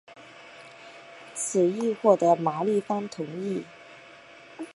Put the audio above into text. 此议获得毛利方同意。